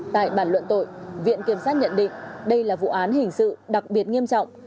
tại bản luận tội viện kiểm sát nhận định đây là vụ án hình sự đặc biệt nghiêm trọng